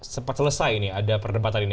sempat selesai ini ada perdebatan ini